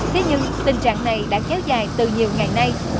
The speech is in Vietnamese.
thế nhưng tình trạng này đã kéo dài từ nhiều ngày nay